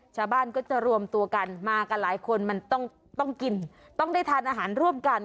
ชาวบ้านก็จะรวมตัวกันมากันหลายคนมันต้องกินต้องได้ทานอาหารร่วมกัน